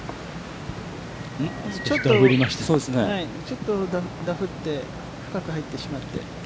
ちょっとダフって、深く入ってしまって。